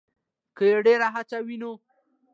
کې ډېره هڅه وينو